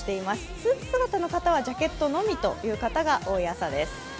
スーツ姿の方はジャケットのみという方が多い朝です。